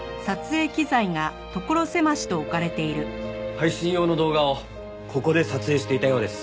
配信用の動画をここで撮影していたようです。